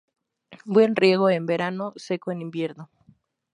Buen riego en verano, seco en invierno.